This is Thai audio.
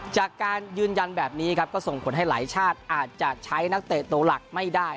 จากการยืนยันแบบนี้ครับก็ส่งผลให้หลายชาติอาจจะใช้นักเตะตัวหลักไม่ได้